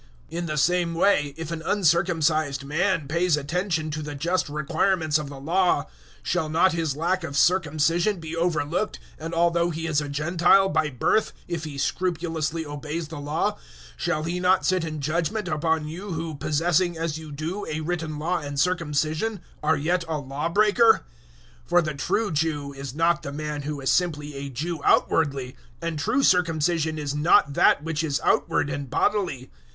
002:026 In the same way if an uncircumcised man pays attention to the just requirements of the Law, shall not his lack of circumcision be overlooked, and, 002:027 although he is a Gentile by birth, if he scrupulously obeys the Law, shall he not sit in judgement upon you who, possessing, as you do, a written Law and circumcision, are yet a Law breaker? 002:028 For the true Jew is not the man who is simply a Jew outwardly, and true circumcision is not that which is outward and bodily.